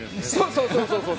そうそうそうそう。